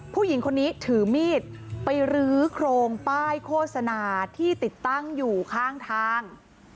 ผู้หญิงคนนี้ถือมีดไปรื้อโครงป้ายโฆษณาที่ติดตั้งอยู่ข้างทาง